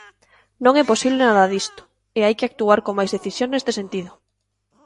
Non é posible nada disto, e hai que actuar con máis decisión neste sentido.